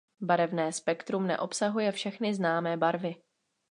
Barevné spektrum neobsahuje všechny známé barvy.